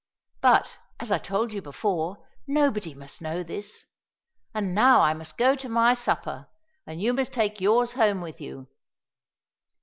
But, as I told you before, nobody must know this. And now I must go to my supper, and you must take yours home with you."